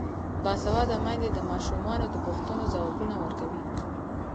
باسواده میندې د ماشومانو د پوښتنو ځوابونه ورکوي.